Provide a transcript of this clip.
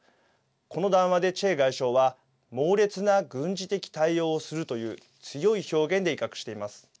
この談話でチェ外相は猛烈な軍事的対応をするという強い表現で威嚇しています。